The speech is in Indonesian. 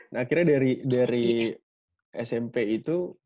nah akhirnya dari smp itu